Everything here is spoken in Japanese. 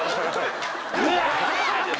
うわ！